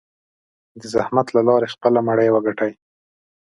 د زحمت له لارې خپله مړۍ وګټي.